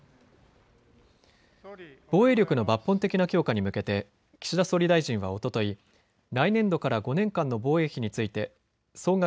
防衛力の抜本的な強化に向けて岸田総理大臣はおととい、来年度から５年間の防衛費について総額